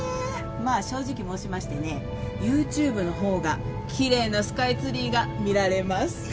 まあ正直申しましてねＹｏｕＴｕｂｅの方が奇麗なスカイツリーが見られます。